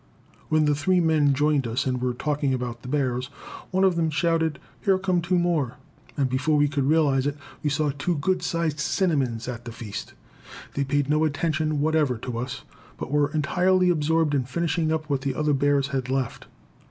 When the three men joined us and were talking about the bears, one of them shouted, "Here come two more," and before we could realize it we saw two good sized cinnamons at the feast. They paid no attention whatever to us, but were entirely absorbed in finishing up what the other bears had left.